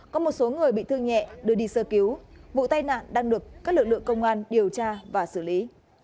có một số người bị thương nhẹ đưa đi sơ cứu vụ tai nạn đang được các lực lượng công an điều tra và xử lý